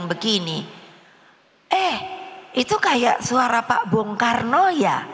begini eh itu kayak suara pak bung karno ya